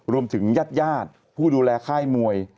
รวมถึงญาติผู้ดูแลค่ายมวย